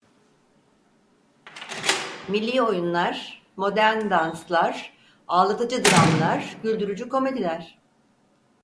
Milli oyunlar, modern danslar, ağlatıcı dramlar, güldürücü komediler…